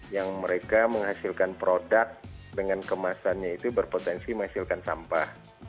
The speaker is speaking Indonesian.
yang mereka menghasilkan produk dengan kemasannya itu berpotensi menghasilkan sampah